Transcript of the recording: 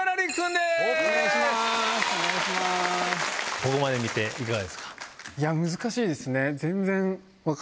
ここまで見ていかがですか？